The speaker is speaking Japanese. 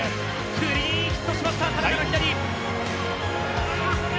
「クリーンヒットしました田中の左」。